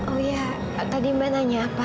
oh iya tadi mbak nanya apa